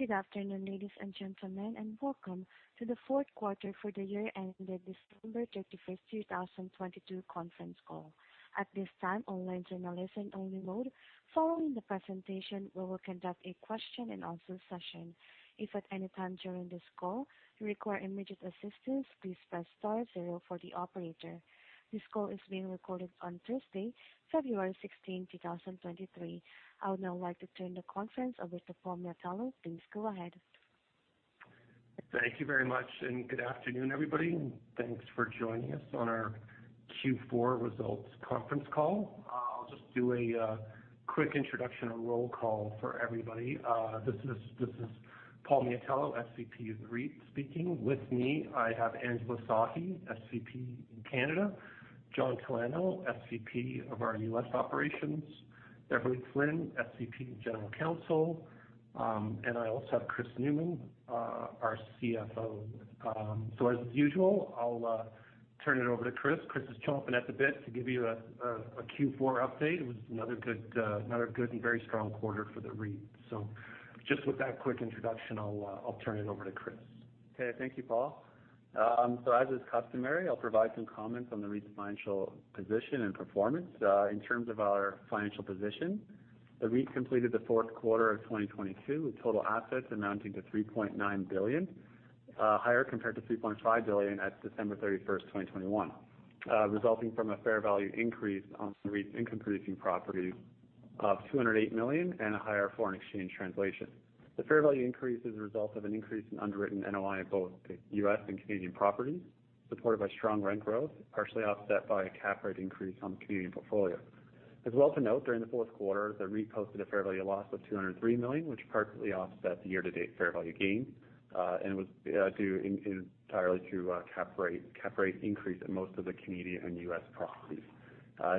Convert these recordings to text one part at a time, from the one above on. Good afternoon, ladies and gentlemen, and welcome to the fourth quarter for the year ended December 31, 2022 conference call. At this time, all lines are in a listen-only mode. Following the presentation, we will conduct a question-and-answer session. If at any time during this call you require immediate assistance, please press star 0 for the operator. This call is being recorded on Thursday, February 16, 2023. I would now like to turn the conference over to Paul Miatello. Please go ahead. Thank you very much, good afternoon, everybody, and thanks for joining us on our Q4 results conference call. I'll just do a quick introduction or roll call for everybody. This is Paul Miatello, SVP of the REIT speaking. With me, I have Angela Sahi, SVP in Canada; John Talano, SVP of our U.S. Operations; Beverley Flynn, SVP, General Counsel, and I also have Chris Newman, our CFO. As usual, I'll turn it over to Chris. Chris is chomping at the bit to give you a Q4 update. It was another good, another good and very strong quarter for the REIT. Just with that quick introduction, I'll turn it over to Chris. Okay. Thank you, Paul. As is customary, I'll provide some comments on the REIT's financial position and performance. In terms of our financial position, the REIT completed the fourth quarter of 2022 with total assets amounting to $3.9 billion, higher compared to $3.5 billion at December 31, 2021, resulting from a fair value increase on the REIT's income-producing properties of $208 million and a higher foreign exchange translation. The fair value increase is a result of an increase in underwritten NOI in both the U.S. and Canadian properties, supported by strong rent growth, partially offset by a cap rate increase on the Canadian portfolio. As well to note, during the fourth quarter, the REIT posted a fair value loss of $203 million, which partially offset the year-to-date fair value gain, and was entirely due to a cap rate increase at most of the Canadian and U.S. properties.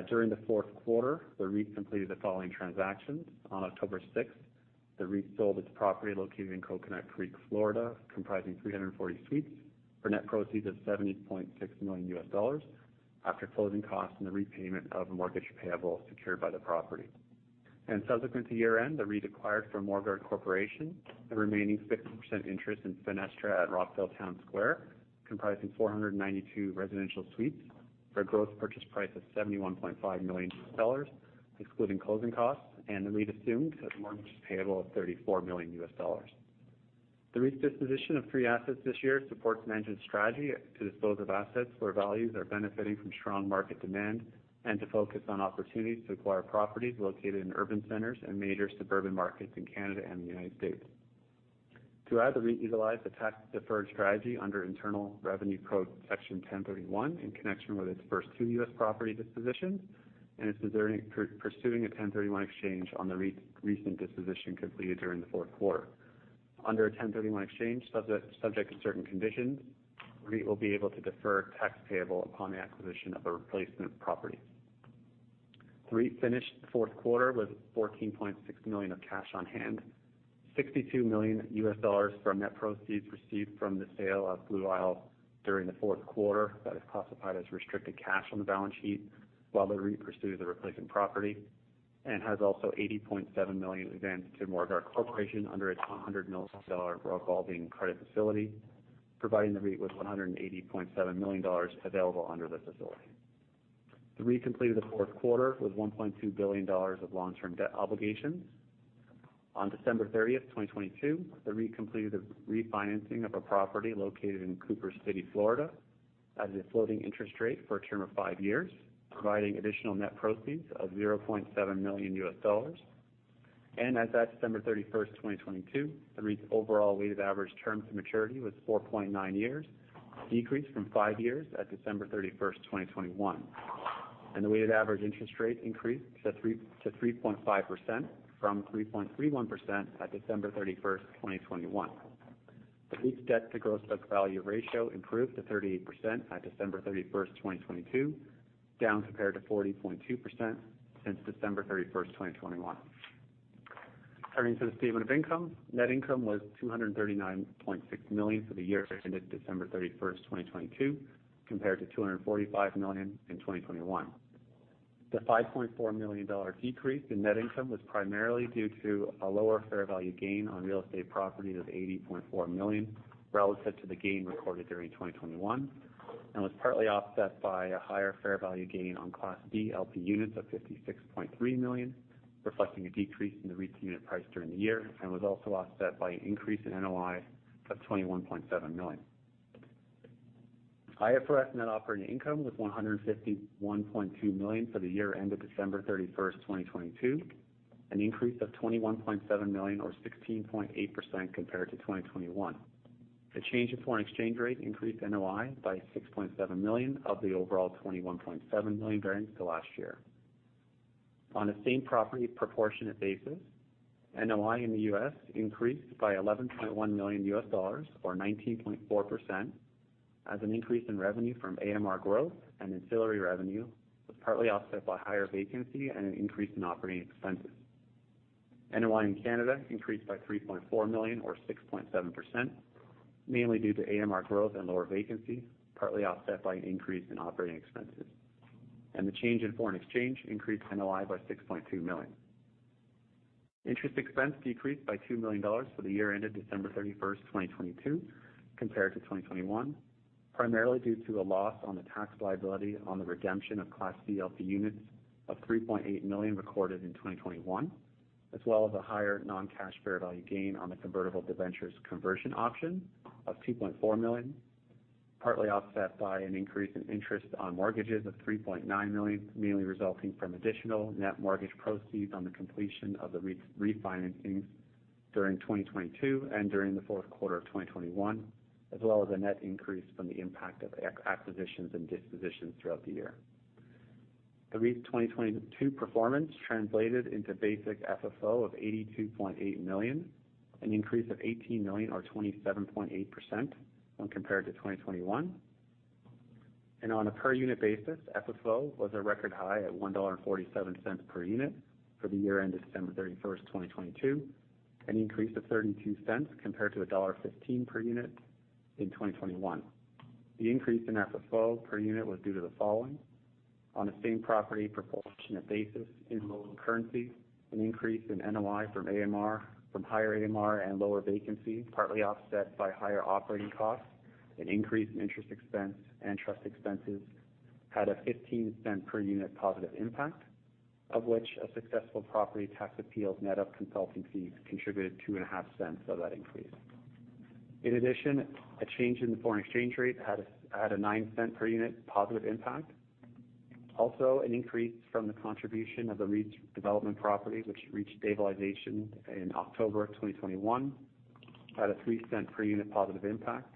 During the fourth quarter, the REIT completed the following transactions. On October 6th, the REIT sold its property located in Coconut Creek, Florida, comprising 340 suites for net proceeds of $70.6 million after closing costs and the repayment of a mortgage payable secured by the property. Subsequent to year-end, the REIT acquired from Morguard Corporation the remaining 60% interest in Fenestra at Rockville Town Square, comprising 492 residential suites for a gross purchase price of $71.5 million, excluding closing costs, and the REIT assumed a mortgage payable of $34 million. The REIT's disposition of three assets this year supports management's strategy to dispose of assets where values are benefiting from strong market demand and to focus on opportunities to acquire properties located in urban centers and major suburban markets in Canada and the U.S. Throughout, the REIT utilized the tax-deferred strategy under Internal Revenue Code Section 1031 in connection with its first two U.S. property dispositions, and it's pursuing a 1031 exchange on the recent disposition completed during the fourth quarter. Under a 1031 exchange subject to certain conditions, the REIT will be able to defer tax payable upon the acquisition of a replacement property. The REIT finished the fourth quarter with $14.6 million of cash on hand, $62 million from net proceeds received from the sale of Blue Isle during the fourth quarter that is classified as restricted cash on the balance sheet while the REIT pursues a replacement property, and has also $80.7 million advanced to Morguard Corporation under its $100 million revolving credit facility, providing the REIT with $180.7 million available under the facility. The REIT completed the fourth quarter with $1.2 billion of long-term debt obligations. On December 30th, 2022, the REIT completed a refinancing of a property located in Cooper City, Florida, at a floating interest rate for a term of five years, providing additional net proceeds of $0.7 million. As at December 31st, 2022, the REIT's overall weighted average term to maturity was 4.9 years, decreased from five years at December 31st, 2021. The weighted average interest rate increased to 3.5% from 3.31% at December 31st, 2021. The REIT's debt to gross book value ratio improved to 38% at December 31st, 2022, down compared to 40.2% since December 31st, 2021. Turning to the statement of income, net income was $239.6 million for the year ended December 31st, 2022, compared to $245 million in 2021. The $5.4 million decrease in net income was primarily due to a lower fair value gain on real estate properties of $80.4 million relative to the gain recorded during 2021 and was partly offset by a higher fair value gain on Class D LP units of $56.3 million, reflecting a decrease in the REIT's unit price during the year and was also offset by an increase in NOI of $21.7 million. IFRS net operating income was $151.2 million for the year ended December 31st, 2022, an increase of $21.7 million or 16.8% compared to 2021. The change in foreign exchange rate increased NOI by $6.7 million of the overall $21.7 million variance to last year. On a same-property proportionate basis, NOI in the U.S. increased by $11.1 million or 19.4% as an increase in revenue from AMR growth and ancillary revenue was partly offset by higher vacancy and an increase in operating expenses. NOI in Canada increased by 3.4 million or 6.7%, mainly due to AMR growth and lower vacancy, partly offset by an increase in operating expenses. The change in foreign exchange increased NOI by $6.2 million. Interest expense decreased by $2 million for the year ended December 31st, 2022 compared to 2021, primarily due to a loss on the tax liability on the redemption of Class C LP Units of $3.8 million recorded in 2021, as well as a higher non-cash fair value gain on the convertible debentures conversion option of $2.4 million, partly offset by an increase in interest on mortgages of $3.9 million, mainly resulting from additional net mortgage proceeds on the completion of the refinancings during 2022 and during the fourth quarter of 2021, as well as a net increase from the impact of acquisitions and dispositions throughout the year. The REIT's 2022 performance translated into basic FFO of $82.8 million, an increase of $18 million or 27.8% when compared to 2021. On a per unit basis, FFO was a record high at $1.47 per unit for the year ended December 31st, 2022, an increase of $0.32 compared to $1.15 per unit in 2021. The increase in FFO per unit was due to the following. On a same property proportionate basis in local currency, an increase in NOI from AMR, from higher AMR and lower vacancy, partly offset by higher operating costs. An increase in interest expense and trust expenses had a $0.15 per unit positive impact, of which a successful property tax appeal's net of consulting fees contributed $0.025 of that increase. In addition, a change in the foreign exchange rate had a $0.09 per unit positive impact. An increase from the contribution of the REIT's development property, which reached stabilization in October of 2021, had a $0.03 per unit positive impact.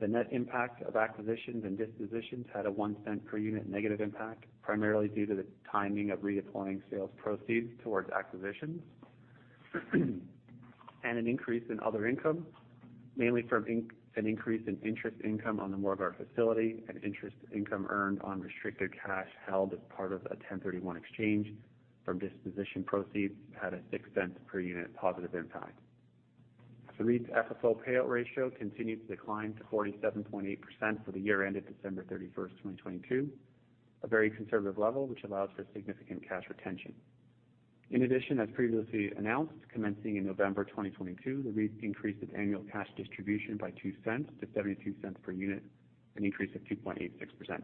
The net impact of acquisitions and dispositions had a $0.01 per unit negative impact, primarily due to the timing of reapplying sales proceeds towards acquisitions. An increase in other income, mainly from an increase in interest income on the Morguard Facility and interest income earned on restricted cash held as part of a 1031 exchange from disposition proceeds, had a $0.06 per unit positive impact. The REIT's FFO payout ratio continued to decline to 47.8% for the year ended December 31st, 2022, a very conservative level which allows for significant cash retention. As previously announced, commencing in November 2022, the REIT increased its annual cash distribution by 0.02 to 0.72 per unit, an increase of 2.86%.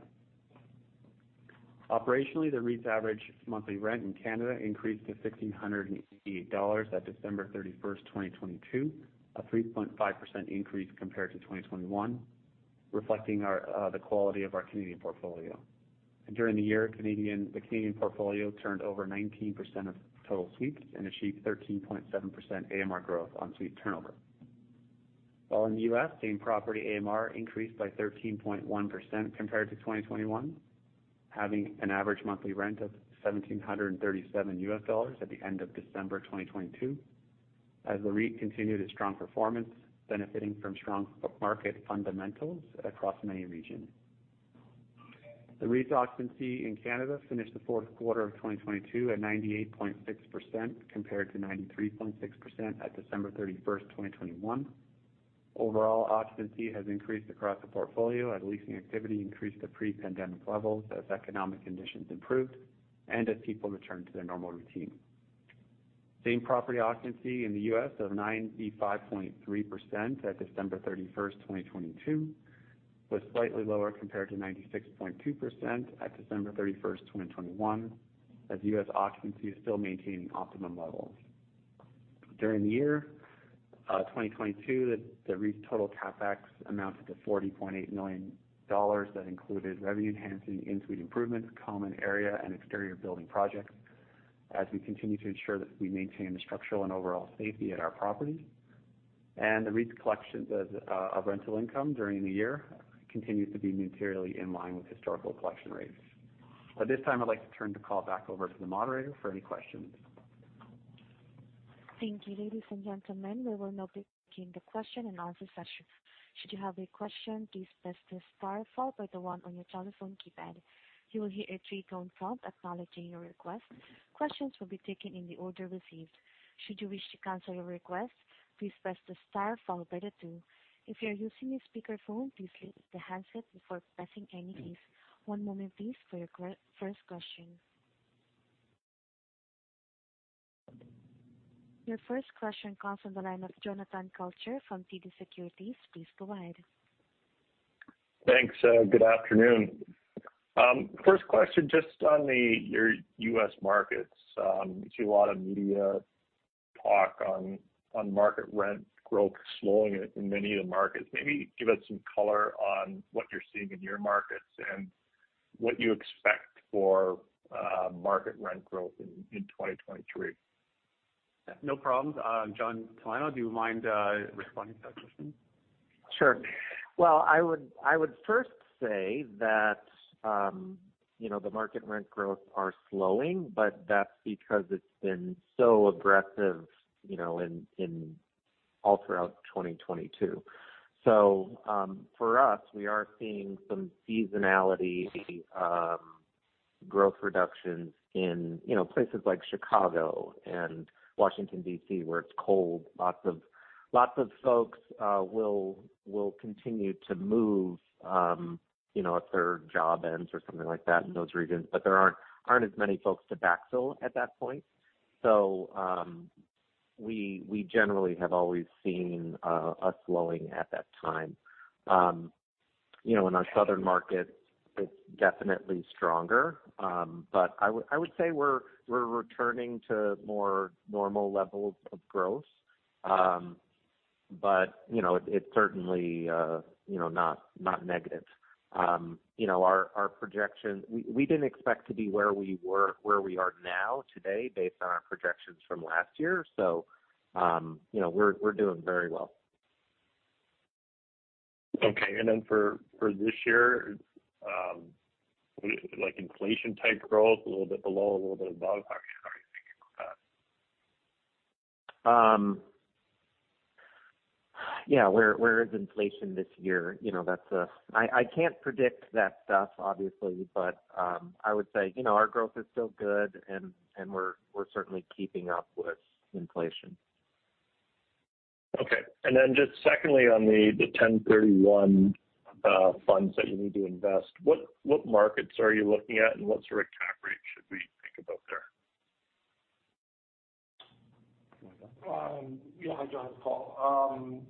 Operationally, the REIT's average monthly rent in Canada increased to 1,688 dollars at December 31st, 2022, a 3.5% increase compared to 2021, reflecting the quality of our Canadian portfolio. During the year, the Canadian portfolio turned over 19% of total suites and achieved 13.7% AMR growth on suite turnover. While in the U.S., same property AMR increased by 13.1% compared to 2021, having an average monthly rent of $1,737 US dollars at the end of December 2022 as the REIT continued its strong performance, benefiting from strong market fundamentals across many regions. The REIT's occupancy in Canada finished Q4 2022 at 98.6% compared to 93.6% at December 31st, 2021. Overall, occupancy has increased across the portfolio as leasing activity increased to pre-pandemic levels as economic conditions improved and as people returned to their normal routine. Same property occupancy in the U.S. of 95.3% at December 31st, 2022 was slightly lower compared to 96.2% at December 31st, 2021, as U.S. occupancy is still maintaining optimum levels. During the year, 2022, the REIT's total CapEx amounted to $40.8 million that included revenue-enhancing in-suite improvements, common area, and exterior building projects, as we continue to ensure that we maintain the structural and overall safety at our property. The REIT's collections, of rental income during the year continues to be materially in line with historical collection rates. At this time, I'd like to turn the call back over to the moderator for any questions. Thank you. Ladies and gentlemen, we will now begin the question and answer session. Should you have a question, please press the star followed by the one on your telephone keypad. You will hear a three tone prompt acknowledging your request. Questions will be taken in the order received. Should you wish to cancel your request, please press the star followed by the two. If you are using a speakerphone, please lift the handset before pressing any keys. One moment please for your first question. Your first question comes from the line of Jonathan Kelcher from TD Securities. Please go ahead. Thanks. Good afternoon. First question, just on your U.S. markets. We see a lot of media talk on market rent growth slowing in many of the markets. Maybe give us some color on what you're seeing in your markets and what you expect for market rent growth in 2023. Yeah, no problems. John Talano, do you mind responding to that question? Sure. Well, I would first say that, you know, the market rent growth are slowing, but that's because it's been so aggressive, you know, in all throughout 2022. For us, we are seeing some seasonality, Growth reductions in, you know, places like Chicago and Washington, DC, where it's cold. Lots of folks will continue to move, you know, if their job ends or something like that in those regions. There aren't as many folks to backfill at that point. We generally have always seen a slowing at that time. You know, in our southern markets, it's definitely stronger. I would say we're returning to more normal levels of growth. You know, it's certainly, you know, not negative. You know, our projection. We didn't expect to be where we are now today based on our projections from last year. You know, we're doing very well. Okay. For this year, like inflation type growth, a little bit below, a little bit above? How are you thinking of that? Yeah, where is inflation this year? You know, I can't predict that stuff obviously, but, I would say, you know, our growth is still good and we're certainly keeping up with inflation. Okay. Just secondly, on the 1031 funds that you need to invest, what markets are you looking at and what sort of cap rate should we think about there? Yeah. Hi, John. It's Paul. You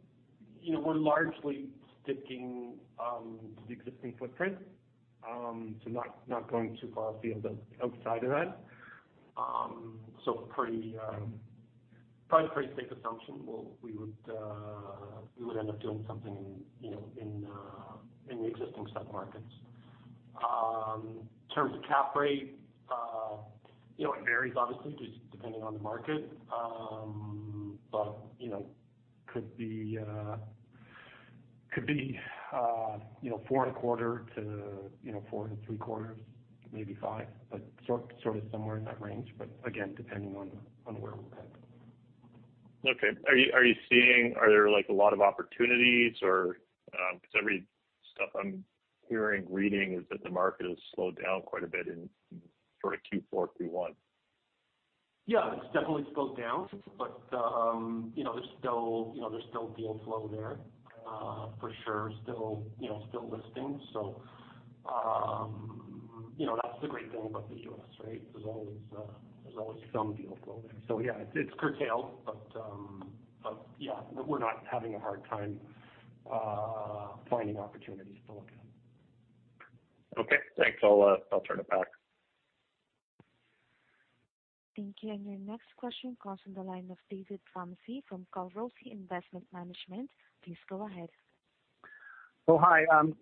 know, we're largely sticking to the existing footprint, so not going too far field outside of that. Pretty, probably a pretty safe assumption we would end up doing something in, you know, in the existing sub-markets. In terms of cap rate, you know, it varies obviously just depending on the market. You know, could be, could be, you know, 4.25%-4.75%, maybe 5%, but sort of somewhere in that range. Again, depending on where we're headed. Okay. Are there like a lot of opportunities or, 'cause every stuff I'm hearing, reading is that the market has slowed down quite a bit in sort of Q4, Q1? It's definitely slowed down, but, you know, there's still, you know, there's still deal flow there. For sure still, you know, still listings. You know, that's the great thing about the U.S., right? There's always, there's always some deal flow there. Yeah, it's curtailed. But yeah, we're not having a hard time, finding opportunities to look at. Okay, thanks. I'll turn it back. Thank you. Your next question comes from the line of David Thomasee from CI Investment Management. Please go ahead.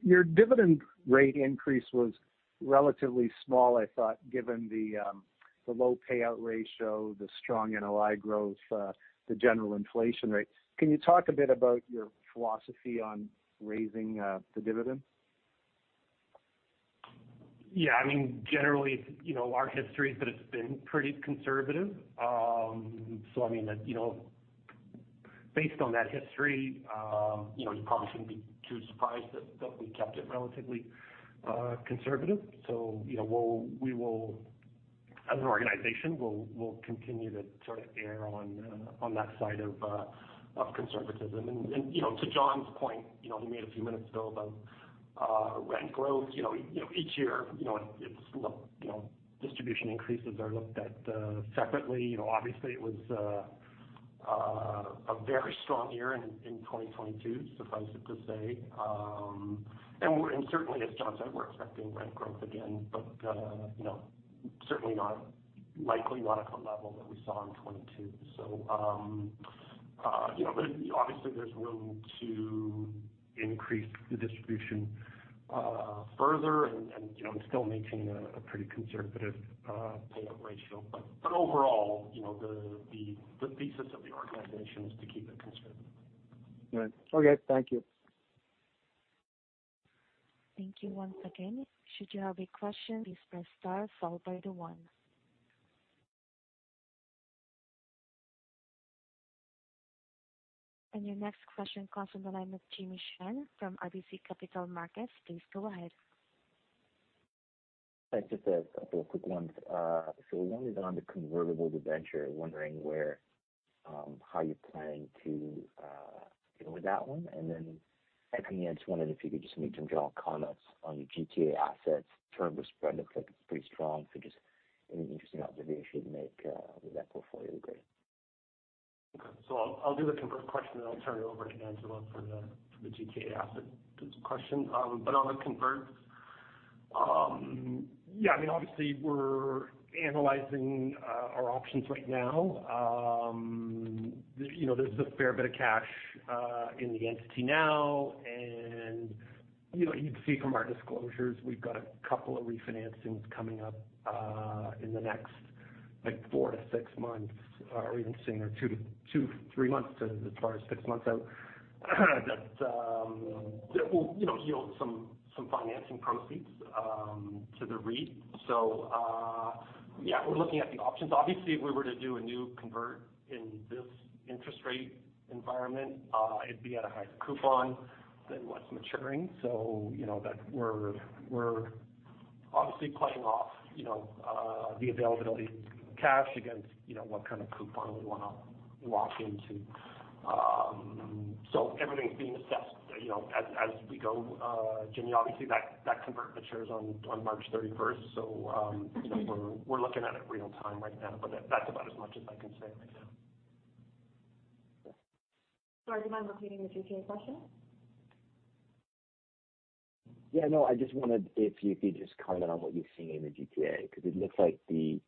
Your dividend rate increase was relatively small, I thought, given the low payout ratio, the strong NOI growth, the general inflation rate. Can you talk a bit about your philosophy on raising the dividend? Yeah. I mean, generally, you know, our history is that it's been pretty conservative. I mean, you know, based on that history, you know, you probably shouldn't be too surprised that we kept it relatively conservative. You know, we will, as an organization, we'll continue to sort of err on that side of conservatism. You know, to John's point, you know, he made a few minutes ago about rent growth. You know, each year, you know, distribution increases are looked at separately. You know, obviously it was a very strong year in 2022, suffice it to say. Certainly as John said, we're expecting rent growth again, but, you know, certainly not, likely not at the level that we saw in 2022. You know, but obviously there's room to increase the distribution further and, you know, still maintain a pretty conservative payout ratio. Overall, you know, the thesis of the organization is to keep it conservative. Right. Okay. Thank you. Thank you once again. Should you have a question, please press star followed by the one. Your next question comes from the line of Jimmy Shan from RBC Capital Markets. Please go ahead. Thanks. Just a couple of quick ones. One is on the convertible debenture, wondering where how you're planning to deal with that one. Then echoing Ed's one and if you could just make some general comments on your GTA assets. Term was spread. Looks like it's pretty strong. Just any interesting observations you'd make with that portfolio grade? I'll do the convert question, then I'll turn it over to Angela for the, for the GTA asset question. On the converts, yeah, I mean, obviously we're analyzing our options right now. You know, there's a fair bit of cash in the entity now. You know, you'd see from our disclosures, we've got a couple of refinancings coming up in the next like four to six months, or even sooner, two, three months to as far as six months out that will, you know, yield some financing proceeds to the REIT. Yeah, we're looking at the options. Obviously, if we were to do a new convert in this interest rate environment, it'd be at a higher coupon than what's maturing. you know that we're obviously cutting off, you know, the availability of cash against, you know, what kind of coupon we wanna lock into. Everything's being assessed, you know, as we go. Jimmy, obviously that convert matures on March 31st. you know, we're looking at it real time right now, but that's about as much as I can say right now. Sorry, do you mind repeating the GTA question? Yeah, no, I just wondered if you could just comment on what you're seeing in the GTA, because it looks like the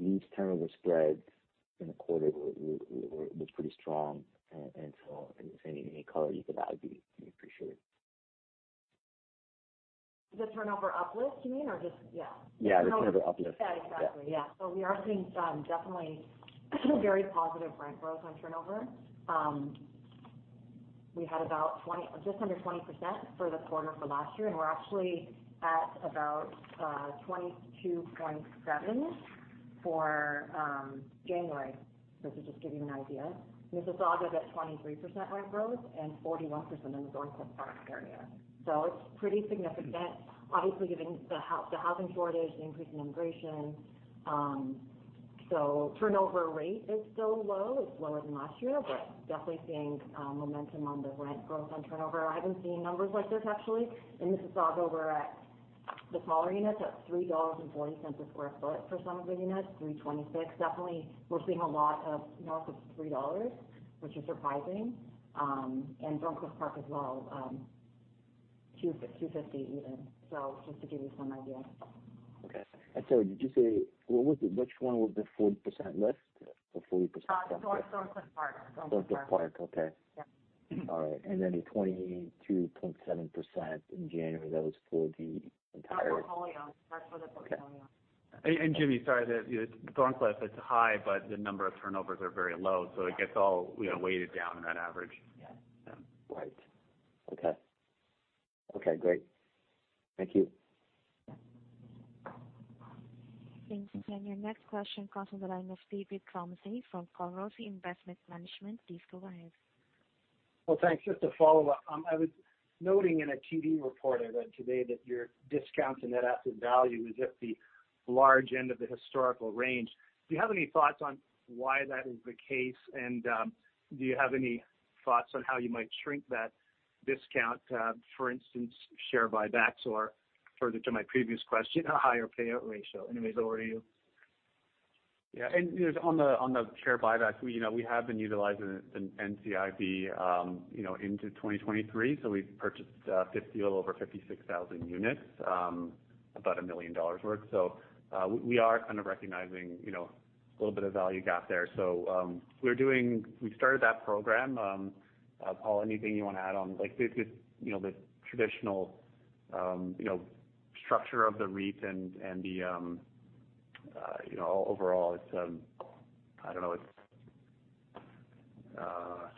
lease turnover spreads in the quarter were pretty strong. If any color you could add would be appreciated. The turnover uplift, you mean? Or just... Yeah. Yeah, the turnover uplift. Yeah, exactly. Yeah. We are seeing some definitely very positive rent growth on turnover. We had about 20, just under 20% for the quarter for last year, and we're actually at about 22.7% for January, to just give you an idea. Mississauga is at 23% rent growth and 41% in the Thorncliffe Park area. It's pretty significant. Obviously, given the housing shortage, the increase in immigration. Turnover rate is still low. It's lower than last year, but definitely seeing momentum on the rent growth on turnover. I haven't seen numbers like this actually. In Mississauga we're at the smaller units at 3.40 dollars a sq ft for some of the units, 3.26. Definitely we're seeing a lot of north of 3 dollars, which is surprising. Thorncliffe Park as well, $250 even. Just to give you some idea. Okay. Did you say... What was it? Which one was the 40% lift or 40%? Thorncliffe Park. Thorncliffe Park, okay. Yeah. All right. Then the 22.7% in January, that was for the entire- Our portfolio. That's for the portfolio. Okay. Jimmy, sorry. You know, Thorncliffe, it's high, but the number of turnovers are very low, it gets all, you know, weighted down in that average. Yeah. Right. Okay. Okay, great. Thank you. Yeah. Thanks. Your next question comes from the line of David Thomasee from CI Investment Management. Please go ahead. Well, thanks. Just to follow up. I was noting in a TD report I read today that your discount to net asset value is at the large end of the historical range. Do you have any thoughts on why that is the case? Do you have any thoughts on how you might shrink that discount, for instance, share buybacks or further to my previous question, a higher payout ratio? In other words, over to you. Yeah. You know, on the, on the share buyback, we, you know, we have been utilizing NCIB, you know, into 2023. We've purchased 56,000 units, about $1 million worth. We are kind of recognizing, you know, a little bit of value gap there. We're doing. We've started that program. Paul, anything you wanna add on? Like, the, you know, the traditional, you know, structure of the REIT and the, you know, overall it's, I don't know, it's...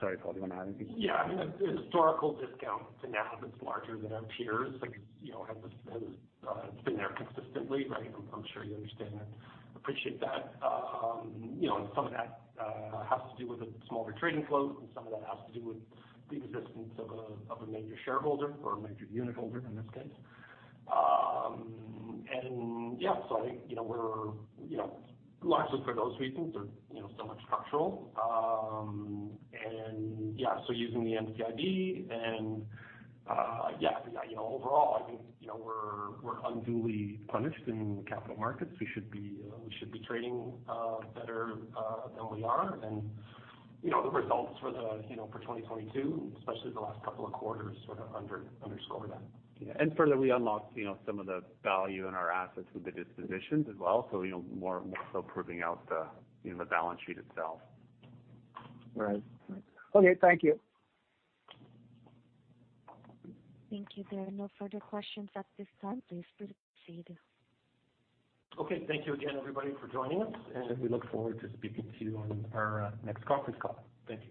Sorry, Paul, do you wanna add anything? Yeah. I mean, the historical discount to now has been larger than our peers. Like, you know, has been there consistently, right? I'm sure you understand that. Appreciate that. You know, and some of that has to do with the smaller trading flows, and some of that has to do with the existence of a major shareholder or a major unitholder in this case. Yeah. I think, you know, we're, you know, largely for those reasons are, you know, somewhat structural. Yeah, using the NCIB and, you know, overall I think, you know, we're unduly punished in capital markets. We should be trading better than we are. You know, the results for the, you know, for 2022, especially the last couple of quarters, sort of underscore that. Yeah. Further, we unlocked, you know, some of the value in our assets with the dispositions as well. You know, more so proving out the, you know, the balance sheet itself. Right. Right. Okay. Thank you. Thank you. There are no further questions at this time. Please proceed. Okay. Thank you again everybody for joining us. We look forward to speaking to you on our next conference call. Thank you.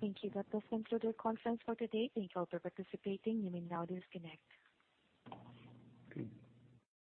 Thank you. That does conclude our conference for today. Thank you all for participating. You may now disconnect. Okay.